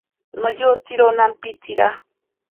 Noyotsiro nampitsira.